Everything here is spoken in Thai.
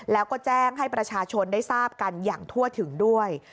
แล้วก็แจ้งให้ประชาชนได้ทราบกันอย่างทั่วถึงด้วย